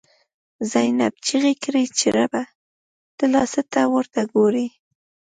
زینب ” چیغی کړی چی ربه، ته لا څه ته ورته ګوری”